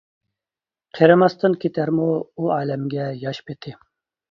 قېرىماستىن كېتەرمۇ، ئۇ ئالەمگە ياش پېتى.